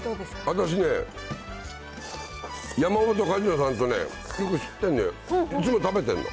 私ね、山本かじのさんとね、よく知ってるのよ、いつも食べてんの。